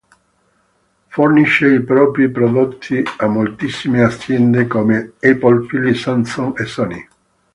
Fornisce i propri prodotti a moltissime aziende, come Apple, Philips, Samsung e Sony.